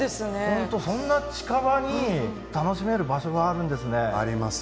本当そんな近場に楽しめる場所があるんですね。あります。